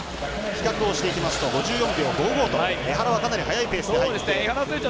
比較をしていきますと江原はかなり早いペースで入って。